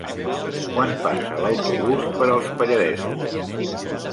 Quan passa l'autobús per els Pallaresos?